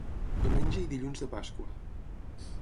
Diumenge i Dilluns de Pasqua.